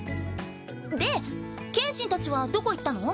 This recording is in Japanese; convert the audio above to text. で剣心たちはどこ行ったの？